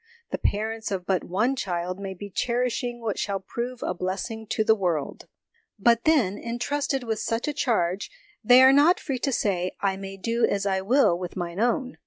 The parents of but one child may be cherishing what shall prove a blessing to the world. But then, entrusted with such a charge, they are not I 2 HOME EDUCATION free to say, " I may do as I will with mine own."